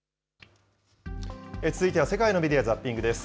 続いては世界のメディア・ザッピングです。